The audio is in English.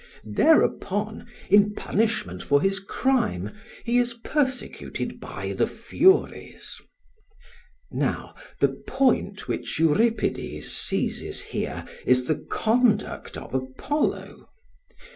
Thereupon, in punishment for his crime, he is persecuted by the Furies. Now the point which Euripides seizes here is the conduct of Apollo.